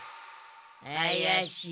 あやしい。